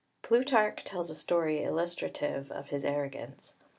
Plutarch tells a story illustrative of his arrogance.